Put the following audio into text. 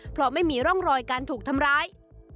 เพราะไม่มีร่องรอยการถูกทำร้าย